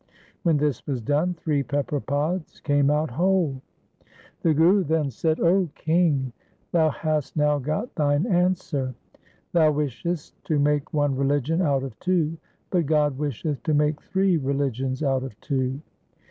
When this was done three pepper pods came out whole. The Guru then said, ' 0 king, thou hast now got thine answer. Thou wishest to make one religion out of two, but God wisheth to make three religions out of two.